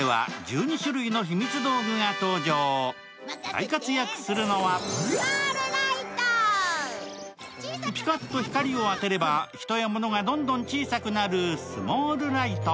大活躍するのはピカッと光を当てれば、人や物がどんどん小さくなるスモールライト。